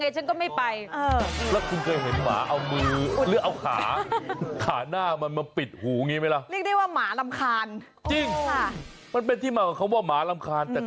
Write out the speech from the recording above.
คงมีระบุข้อความว่าสนใจนักร้องหน่อย